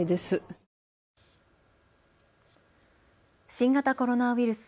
新型コロナウイルス。